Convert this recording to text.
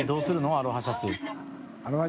アロハシャツ。